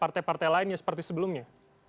pertemuan pertemuan lainnya seperti sebelumnya